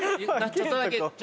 ちょっとだけ。